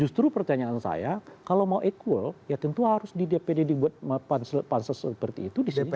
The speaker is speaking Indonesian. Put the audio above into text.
justru pertanyaan saya kalau mau equal ya tentu harus di dpd dibuat pansel pansel seperti itu di sini kan